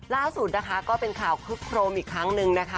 ล่าสุดนะคะก็เป็นข่าวคึกโครมอีกครั้งนึงนะคะ